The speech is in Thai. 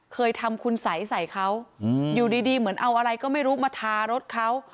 เคยทำคุณสัยใส่เขาอยู่ดีเหมือนเอาอะไรก็ไม่รู้มาทารถเขา